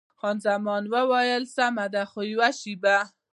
خان زمان وویل: سمه ده، خو یوه شېبه.